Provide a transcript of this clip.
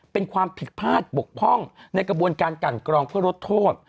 เป็นความผิดพลาดบกพร่องในกระบวนการกันกรองเพื่อลดโทษ